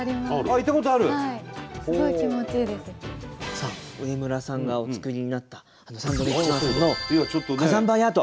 さあ植村さんがお作りになったサンドウィッチマンさんの火山灰アート。